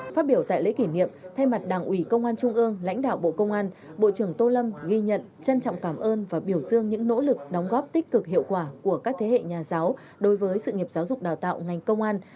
phát biểu tại lễ kỷ niệm thay mặt đảng ủy công an trung ương lãnh đạo bộ công an bộ trưởng tô lâm ghi nhận trân trọng cảm ơn và biểu dương những nỗ lực đóng góp tích cực hiệu quả của các thế hệ nhà giáo đối với sự nghiệp giáo dục đào tạo ngành công an